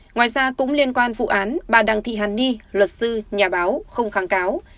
ngoài ra cũng liên quan vụ án bà đặng thị hàn ni luật sư nhà báo không kháng cáo